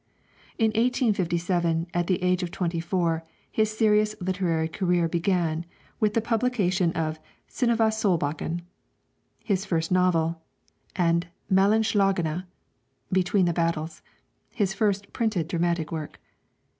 In 1857, at the age of twenty four, his serious literary career began with the publication of 'Synnöve Solbakken,' his first novel, and 'Mellern Slagene' (Between the Battles), his first printed dramatic work.